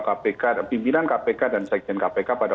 kpk pimpinan kpk dan sekjen kpk pada